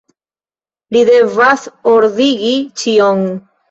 Li devas ordigi ĉion.